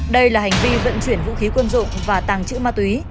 đây là hành vi vận chuyển vũ khí quân dụng và tàng trữ ma túy